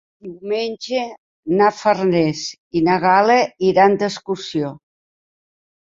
Diumenge na Farners i na Gal·la iran d'excursió.